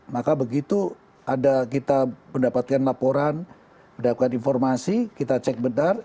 maka begitu ada kita mendapatkan laporan mendapatkan informasi kita cek benar